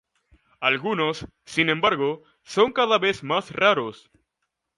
Algunos, sin embargo, son cada vez más raros.